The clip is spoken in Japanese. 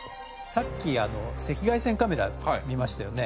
さっき赤外線カメラ見ましたよね。